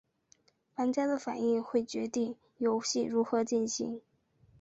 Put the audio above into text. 玩家的反应会决定游戏如何进行。